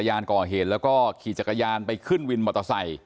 รถมาได้ขึ้นก็ขี่จัดกำรุ่งขึ้นมอเตอร์ไซค์